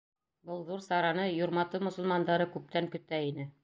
Был ҙур сараны Юрматы мосолмандары күптән көтә ине.